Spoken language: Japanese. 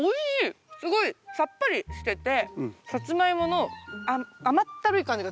すごいさっぱりしててサツマイモの甘ったるい感じがゼロ。